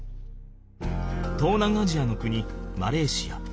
東南アジアの国マレーシア。